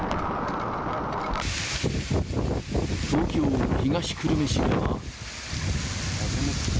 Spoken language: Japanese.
東京・東久留米市では。